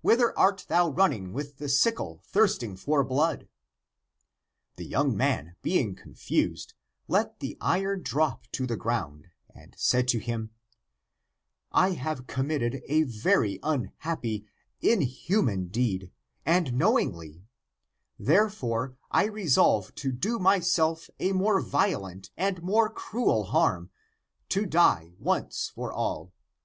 Whither art thou running with the sickle thirsting for blood ?" The young man being confused, let the iron drop to the ground, and said to him, " I have committed a very unhappy, inhu man deed, and knowingly ; therefore, I resolve to do myself a more violent and more cruel harm, to die once for all.